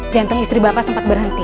jantung istri bapak sempat berhenti